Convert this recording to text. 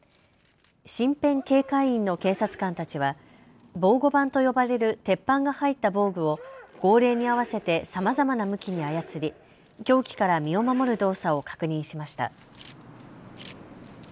身辺警戒員の警察官たちは防護板と呼ばれる鉄板が入った防具を号令に合わせてさまざまな向きに操り、凶器から身を守る動作を確認しました。